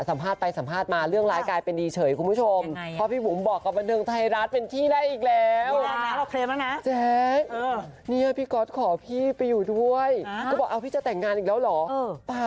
สัมภาษณ์ไปสัมภาษณ์มาเรื่องร้ายกลายเป็นดีเฉยคุณผู้ชม